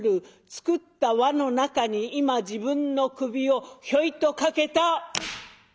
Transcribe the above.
作った輪の中に今自分の首をひょいとかけた。